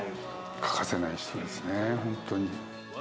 欠かせない人ですね、本当に。